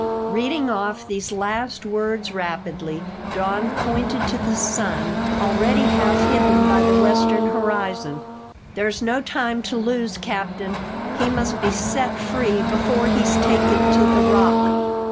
Reading off these last words rapidly, Don pointed to the sun, already half hidden by the western horizon. "There's no time to lose, captain! He must be set free before he's taken to the Rock."